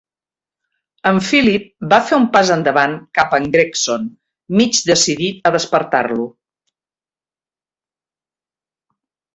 En Philip va fer un fas endavant cap a en Gregson, mig decidit a despertar-lo.